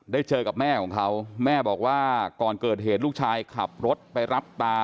เจอกับแม่ของเขาแม่บอกว่าก่อนเกิดเหตุลูกชายขับรถไปรับตา